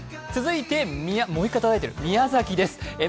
続いて宮崎です。